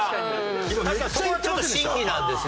確かにそこはちょっと審議なんですよ。